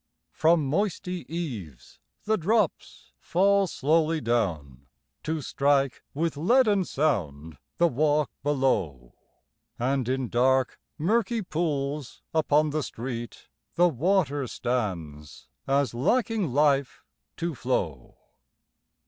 From moisty eaves the drops fall slowly down To strike with leaden sound the walk below, And in dark, murky pools upon the street The water stands, as lacking life to flow.